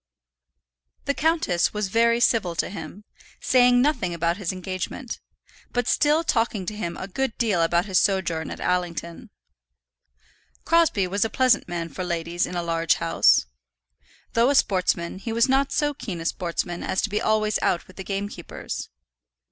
The countess was very civil to him, saying nothing about his engagement, but still talking to him a good deal about his sojourn at Allington. Crosbie was a pleasant man for ladies in a large house. Though a sportsman, he was not so keen a sportsman as to be always out with the gamekeepers.